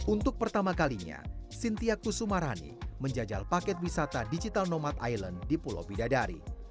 untuk pertama kalinya sintia kusumarani menjajal paket wisata digital nomad island di pulau bidadari